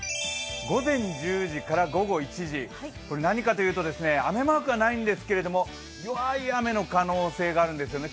午前１０時から午後１時、雨マークはないんですけれども、弱い雨の可能性があるんですよね。